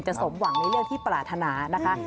สมหวังในเรื่องที่ปรารถนานะคะ